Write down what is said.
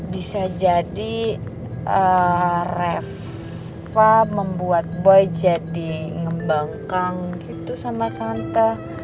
bisa jadi reffa membuat boy jadi ngembangkan gitu sama tante